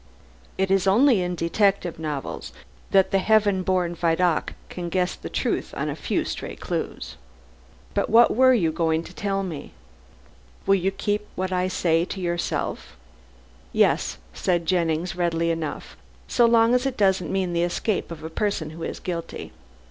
It is only in detective novels that the heaven born Vidocq can guess the truth on a few stray clues. But what were you going to tell me?" "Will you keep what I say to yourself?" "Yes," said Jennings, readily enough, "so long as it doesn't mean the escape of the person who is guilty."